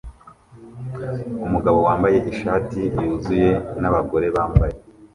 Umugabo wambaye ishati yuzuye nabagore bambaye